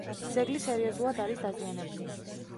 ძეგლი სერიოზულად არის დაზიანებული.